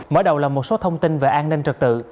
mở đầu là một số thông tin về an ninh trật tự